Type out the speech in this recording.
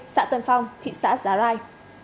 xã tân phong thị xã giá lai